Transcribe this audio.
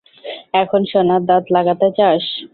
এখন সোনার দাঁত লাগাতে চাস?